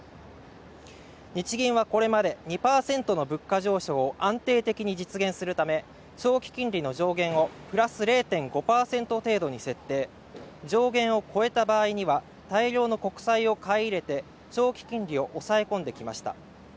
日銀はこれまで２％の物価上昇安定的に実現するため長期金利の上限をプラス０．５％程度に設定上限を超えた場合には大量の国債を買い入れて長期金利を抑え込んできました